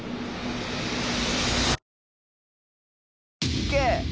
いけ！